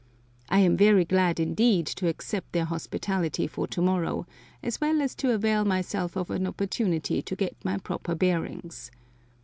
I am very glad indeed to accept their hospitality for to morrow, as well as to avail myself of an opportunity to get my proper bearings.